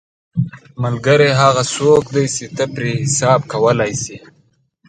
ملګری هغه څوک دی چې ته پرې حساب کولی شې